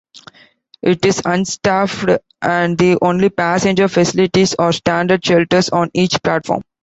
It is unstaffed, and the only passenger facilities are standard shelters on each platform.